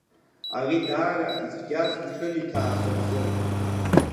Ари даара ицәгьаз мшын иҭаацәа рзын.